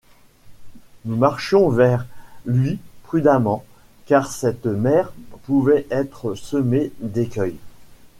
Nous marchions vers lui, prudemment, car cette mer pouvait être semée d’écueils.